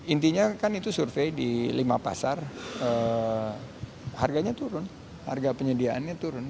intinya kan itu survei di lima pasar harganya turun harga penyediaannya turun